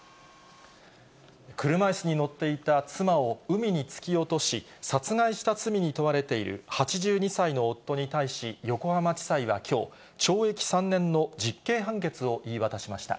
車いすに乗っていた妻を海に突き落とし、殺害した罪に問われている８２歳の夫に対し、横浜地裁はきょう、懲役３年の実刑判決を言い渡しました。